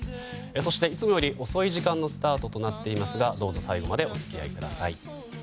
そして、いつもより遅い時間のスタートとなっていますがどうぞ最後までお付き合いください。